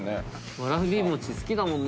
わらび餅好きだもんね